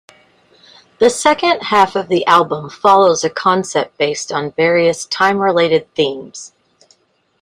The second half of the album follows a concept based on various time-related themes.